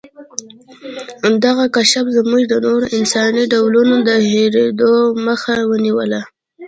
دغه کشف زموږ د نورو انساني ډولونو د هېرېدو مخه ونیوله.